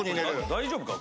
大丈夫か？